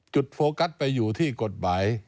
โฟกัสไปอยู่ที่กฎหมาย